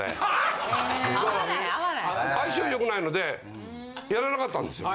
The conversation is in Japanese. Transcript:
相性良くないのでやらなかったんですよ。